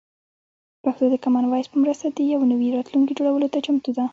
پښتو د کامن وایس په مرسته د یو نوي راتلونکي جوړولو ته چمتو ده.